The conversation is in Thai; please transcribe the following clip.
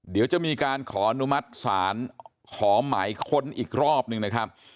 เดี๋ยวจะมีการขออนุมัติศาลขอหมายค้นอีกรอบหนึ่งนะครับ